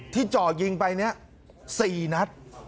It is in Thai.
จ่อยิงไปเนี่ย๔นัด